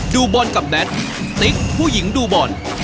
ดูบอลกับแมทติ๊กผู้หญิงดูบอล